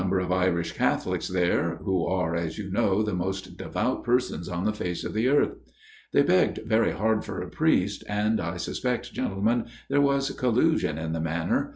of Irish Catholics there who are, as you know, the most devout persons on the face of the earth. They begged very hard for a priest, and, I sus pect, gentlemen, there was collusion in the matter.